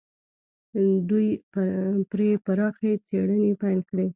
دوی پرې پراخې څېړنې پيل کړې.